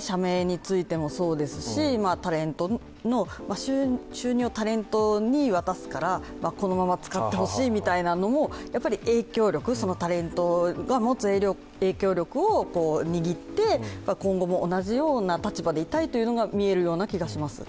社名についてもそうですし、収入をタレントに渡すからこのまま使ってほしいみたいなのもタレントが持つ影響力を握って、今後も同じような立場でいたいというのが見えるような気がします。